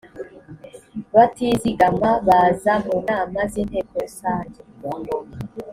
batizigama baza mu nama z inteko rusange